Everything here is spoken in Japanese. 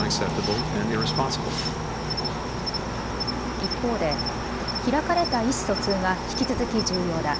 一方で開かれた意思疎通が引き続き重要だ。